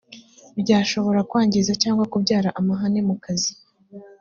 byashobora kwangiza cyangwa kubyara amahane mu kazi